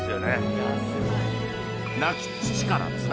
いやすごい。